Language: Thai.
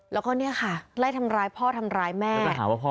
แล้วก็เนี่ยค่ะไล่ทำร้ายพ่อทำร้ายแม่